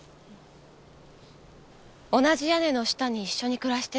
同じ屋根の下に一緒に暮らしてる人がいる。